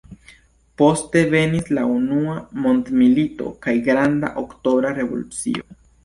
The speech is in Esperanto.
Poste venis la unua mondmilito kaj Granda Oktobra Revolucio.